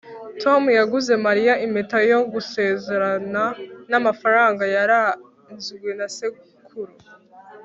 tom yaguze mariya impeta yo gusezerana n'amafaranga yarazwe na sekuru